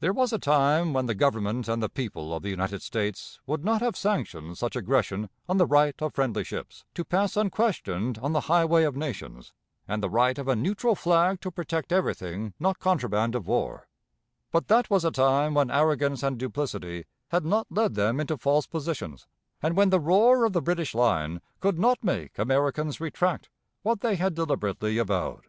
There was a time when the Government and the people of the United States would not have sanctioned such aggression on the right of friendly ships to pass unquestioned on the high way of nations, and the right of a neutral flag to protect everything not contraband of war; but that was a time when arrogance and duplicity had not led them into false positions, and when the roar of the British lion could not make Americans retract what they had deliberately avowed.